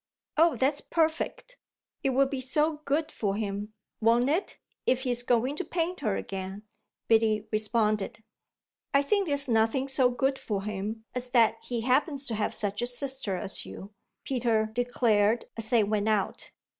"Oh that's perfect; it will be so good for him won't it? if he's going to paint her again," Biddy responded. "I think there's nothing so good for him as that he happens to have such a sister as you," Peter declared as they went out.